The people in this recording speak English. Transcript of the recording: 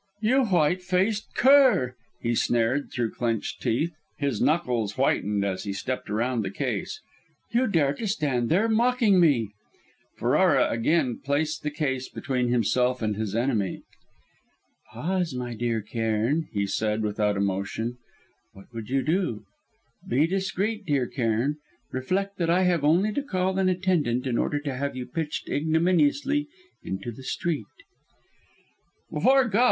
"You white faced cur!" he snarled through clenched teeth; his knuckles whitened as he stepped around the case. "You dare to stand there mocking me " Ferrara again placed the case between himself and his enemy. "Pause, my dear Cairn," he said, without emotion. "What would you do? Be discreet, dear Cairn; reflect that I have only to call an attendant in order to have you pitched ignominiously into the street." "Before God!